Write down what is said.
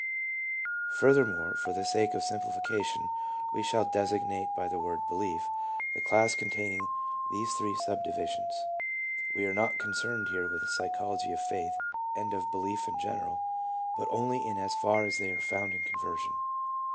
Furthermore, for the sake of simplification, we shall designate by the word " belief " the class containing these three subdivisions. We are not concerned here with the psychology of faith and of belief in general, but only in as far as they are found in conversion.